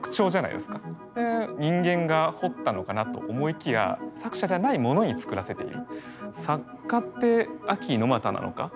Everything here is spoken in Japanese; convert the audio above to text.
で人間が彫ったのかなと思いきや作者じゃないものに作らせている。